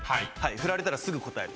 振られたらすぐ答える。